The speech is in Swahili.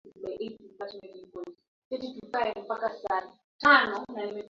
Julai elfu mbili kumi na tano Dokta John Magufuli mara baada ya mpambano mkali